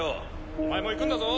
お前も行くんだぞ。